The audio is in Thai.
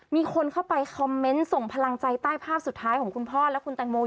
มีคนเข้าไปคอมเมนต์ส่งพลังใจใต้ภาพสุดท้ายของคุณพ่อและคุณแตงโม